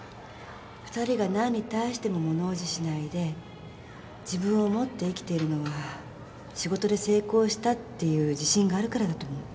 ２人が何に対しても物おじしないで自分を持って生きているのは仕事で成功したっていう自信があるからだと思う。